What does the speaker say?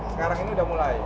sekarang ini sudah mulai